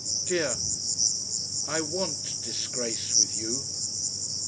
Dear, I WANT disgrace with you...."